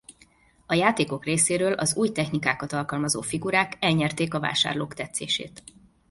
A játékok részéről az új technikákat alkalmazó figurák elnyerték a vásárlók tetszését.